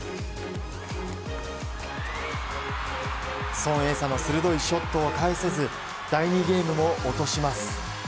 ソン・エイサの鋭いショットを返せず第２ゲームを落とします。